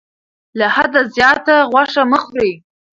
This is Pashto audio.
له حده زیاته غوښه مه خورئ.